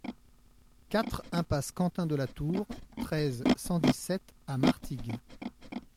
quatre impasse Quentin de la Tour, treize, cent dix-sept à Martigues